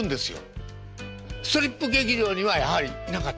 ストリップ劇場にはやはりいなかった？